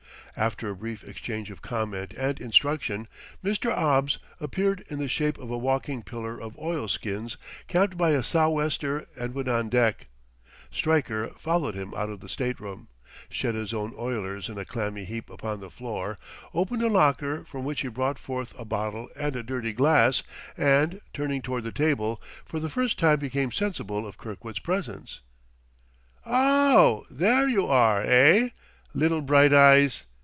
After a brief exchange of comment and instruction, Mr. 'Obbs appeared in the shape of a walking pillar of oil skins capped by a sou'wester, and went on deck; Stryker, following him out of the state room, shed his own oilers in a clammy heap upon the floor, opened a locker from which he brought forth a bottle and a dirty glass, and, turning toward the table, for the first time became sensible of Kirkwood's presence. "Ow, there you are, eigh, little bright eyes!"